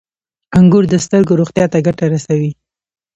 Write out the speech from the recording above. • انګور د سترګو روغتیا ته ګټه رسوي.